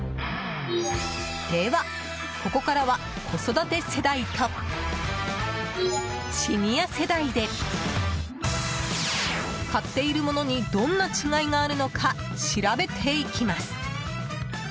では、ここからは子育て世代とシニア世代で買っているものにどんな違いがあるのか調べていきます。